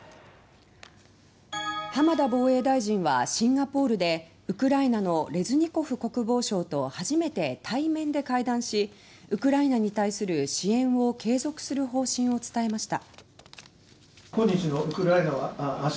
浜田防衛大臣はシンガポールでウクライナのレズニコフ国防相と初めて対面で会談しウクライナに対する支援を継続する方針を伝えました。